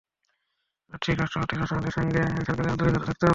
তবে এটা ঠিক, রাষ্ট্রপতির আশাবাদের সঙ্গে সঙ্গে সরকারের আন্তরিকতাও থাকতে হবে।